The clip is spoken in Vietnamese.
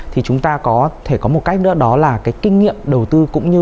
thì chúng ta có thể có một cách nữa đó là cái kinh nghiệm đầu tư